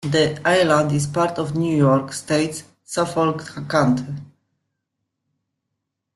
The island is part of New York State's Suffolk County.